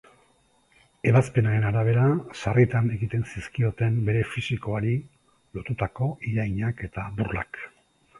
Ebazpenaren arabera, sarritan egiten zizkioten bere fisikoari lotutako irainak eta burlak.